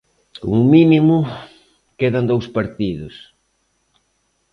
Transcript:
Como mínimo, quedan dous partidos.